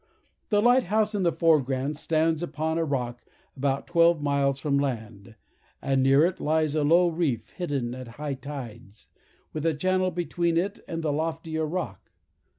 The Light house in the foreground stands upon a rock, about twelve miles from land; and near it lies a low reef, hidden at high tides, with a channel between it and the loftier rock.